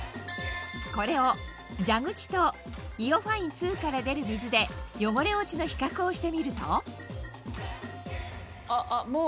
これを蛇口とＩＯファイン２から出る水で汚れ落ちの比較をしてみるとあっあっもう。